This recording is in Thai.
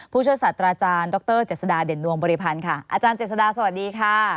ผู้ช่วยศาสตราจารย์ดรเจษฎาเด่นดวงบริพันธ์ค่ะอาจารย์เจษฎาสวัสดีค่ะ